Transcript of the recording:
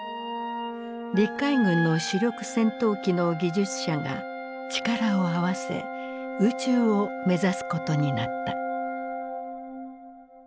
陸海軍の主力戦闘機の技術者が力を合わせ宇宙を目指すことになった。